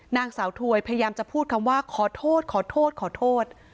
นางสาวถวยพยายามจะพูดคำว่าขอโทษขอโทษขอโทษ